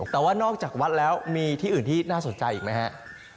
แต่ว่านอกจากวัดแล้วมีที่อื่นที่น่าสนใจอีกไหมฮะ